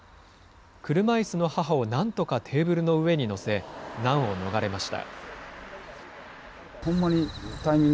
車いすの母を、なんとかテーブルの上に載せ、難を逃れました。